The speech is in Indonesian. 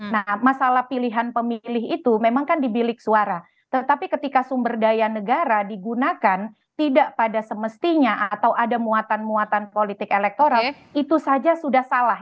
nah masalah pilihan pemilih itu memang kan di bilik suara tetapi ketika sumber daya negara digunakan tidak pada semestinya atau ada muatan muatan politik elektoral itu saja sudah salah